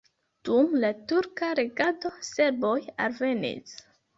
Dum la turka regado serboj alvenis.